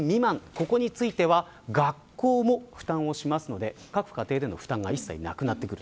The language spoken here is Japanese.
ここについては学校も負担するので、各家庭の負担が一切なくなってくる。